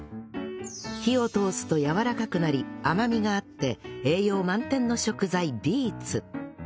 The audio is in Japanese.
火を通すとやわらかくなり甘みがあって栄養満点の食材ビーツ